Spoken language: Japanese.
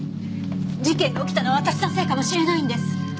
事件が起きたのは私のせいかもしれないんです！